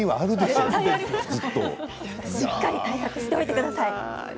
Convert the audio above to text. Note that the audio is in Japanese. しっかり対策してください。